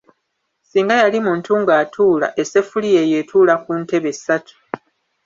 Singa yali muntu ng'atuula, esseffuliya yo etuula ku "ntebe" ssatu.